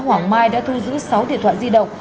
hoàng mai đã thu giữ sáu điện thoại di động